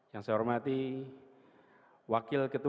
yang saya hormati wakil ketua